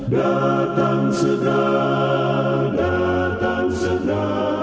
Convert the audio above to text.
datang segera datang segera